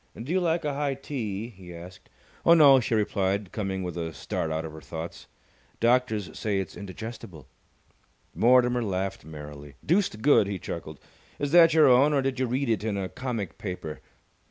"Do you like a high tee?" he asked. "Oh, no," she replied, coming with a start out of her thoughts. "Doctors say it's indigestible." Mortimer laughed merrily. "Deuced good!" he chuckled. "Is that your own or did you read it in a comic paper?